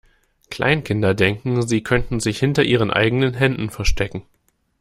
Kleinkinder denken, sie könnten sich hinter ihren eigenen Händen verstecken.